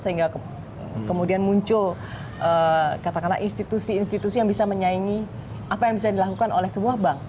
sehingga kemudian muncul katakanlah institusi institusi yang bisa menyaingi apa yang bisa dilakukan oleh sebuah bank